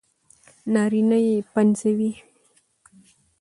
نارينه يې پنځوي